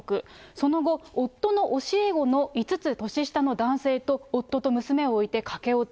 その後、夫の教え子の５つ年下の男性と、夫と娘を置いて駆け落ち。